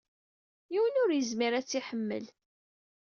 Yiwen ur izmir ad tt-iḥemmel.